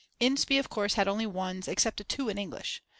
Inspee of course had only 1's, except a 2 in English.